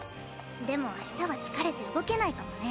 でも明日は疲れて動けないかもね。